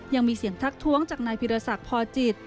ยังมีเสียงทักท้วงจากนายพิรศักดิ์พอจิต